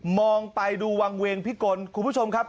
มองไปดูวังเวงพิกลคุณผู้ชมครับ